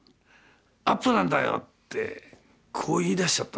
アップなんだよ！」ってこう言いだしちゃったんだよ。